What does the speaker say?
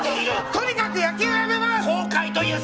とにかく野球やめます！